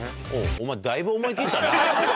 お前だいぶ思い切ったな。